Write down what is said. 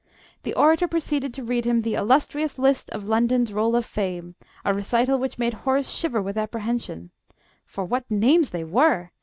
The orator proceeded to read him the "Illustrious List of London's Roll of Fame," a recital which made Horace shiver with apprehension. For what names they were!